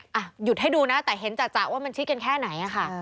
หยุดให้ดูนะแต่เห็นจ่ะว่ามันชิดกันแค่ไหนอะค่ะ